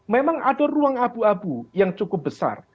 memang ada ruang abu abu yang cukup besar